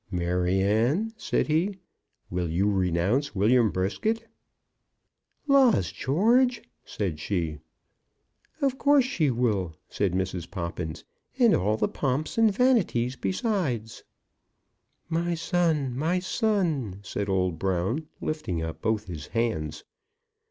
"Maryanne," said he, "will you renounce William Brisket?" "Laws, George!" said she. "Of course she will," said Mrs. Poppins, "and all the pomps and vanities besides." "My son, my son!" said old Brown, lifting up both his hands.